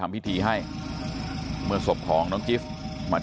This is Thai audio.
ตรของหอพักที่อยู่ในเหตุการณ์เมื่อวานนี้ตอนค่ำบอกให้ช่วยเรียกตำรวจให้หน่อย